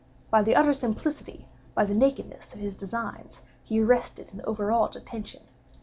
By the utter simplicity, by the nakedness of his designs, he arrested and overawed attention.